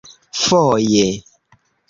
foje